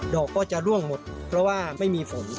อกก็จะร่วงหมดเพราะว่าไม่มีฝน